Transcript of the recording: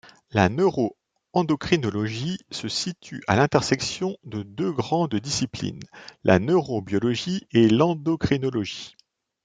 La neuroendocrinologie se situe à l’intersection de deux grandes disciplines, la neurobiologie et l’endocrinologie.